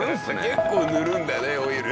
結構塗るんだねオイル。